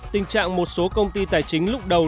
tình trạng một số công ty tài chính lúc đầu